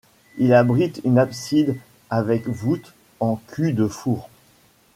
Il abrite une abside avec voûte en cul-de-four.